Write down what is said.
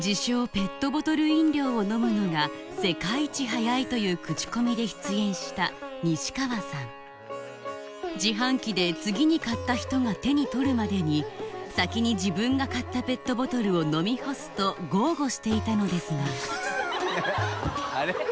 ペットボトル飲料を飲むのが世界一速いというクチコミで出演した西川さん自販機で次に買った人が手に取るまでに先に自分が買ったペットボトルを飲み干すと豪語していたのですがあれ？